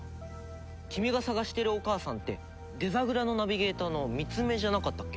君が捜してるお母さんってデザグラのナビゲーターのミツメじゃなかったっけ？